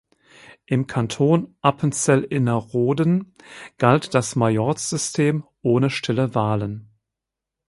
Im Kanton Appenzell Innerrhoden galt das Majorzsystem ohne stille Wahlen.